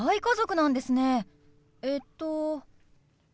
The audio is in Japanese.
えっと？